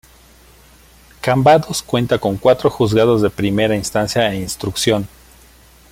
Cambados cuenta con cuatro Juzgados de Primera Instancia e Instrucción.